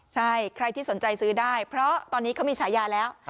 ใช่ใครที่สนใจซื้อได้เพราะตอนนี้เขามีฉายาแล้ว